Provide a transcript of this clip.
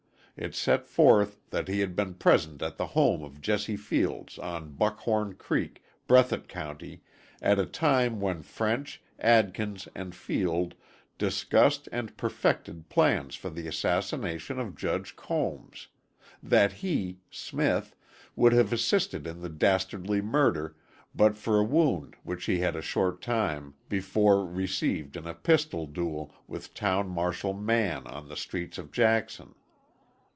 It set forth that he had been present at the home of Jesse Fields on Buckhorn Creek, Breathitt County, at a time when French, Adkins and Fields discussed and perfected plans for the assassination of Judge Combs; that he, Smith, would have assisted in the dastardly murder but for a wound which he had a short time before received in a pistol duel with Town Marshal Mann on the streets of Jackson.